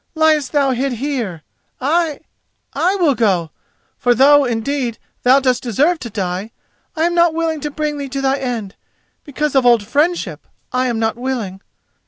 Liest thou hid here. I—I will go. For though, indeed, thou dost deserve to die, I am not willing to bring thee to thy end—because of old friendship I am not willing!"